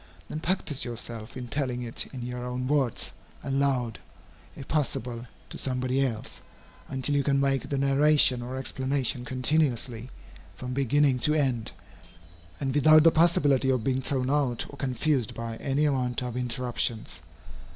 Then practise yourself in telling it in your own words, aloud, if possible, to somebody else, until you can make the narration or explanation continuously, from beginning to end, and without the possibility of being thrown out or confused by any amount of interruptions.